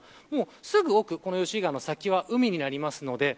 すごく奥、吉井川の先は海になります。